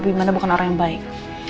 wimanda bukan orang yang baik